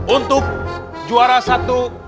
untuk juara satu